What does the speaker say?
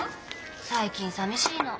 最近さみしいの。